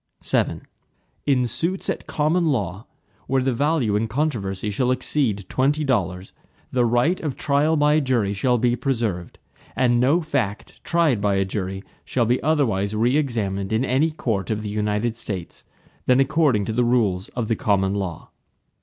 VII In suits at common law, where the value in controversy shall exceed twenty dollars, the right of trial by jury shall be preserved, and no fact tried by a jury shall be otherwise re examined in any court of the United States, than according to the rules of the common law.